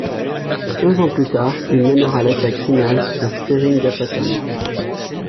Quinze ans plus tard, il mènera l'attaque finale sur Seringapatam.